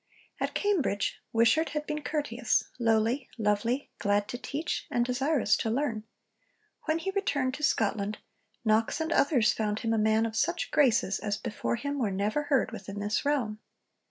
At Cambridge Wishart had been 'courteous, lowly, lovely, glad to teach, and desirous to learn'; when he returned to Scotland, Knox and others found him 'a man of such graces as before him were never heard within this realm.'